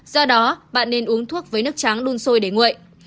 do đó bạn nên uống thuốc với nước trắng đun sôi để nguội